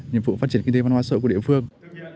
nhiệm vụ phát triển kinh tế văn hóa sợ của địa phương